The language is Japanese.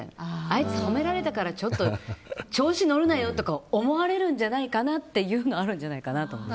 あいつ褒められたから調子乗るなよと思われるんじゃないかなっていうのあるんじゃないかなと。